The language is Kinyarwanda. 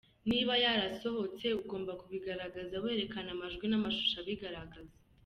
"Niba yarasohotse, ugomba kubigaragaza werekana amajwi n'amashusho abigaragaza.